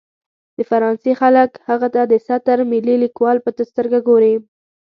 د فرانسې خلک هغه ته د ستر ملي لیکوال په سترګه ګوري.